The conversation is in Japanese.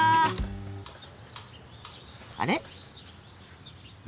あれ？